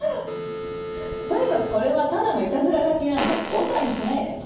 とにかくこれはただのいたずら書きなんで大騒ぎしないで。